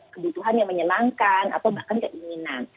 kebutuhan yang menyenangkan atau bahkan keinginan